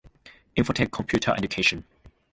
Infotech Computer Education.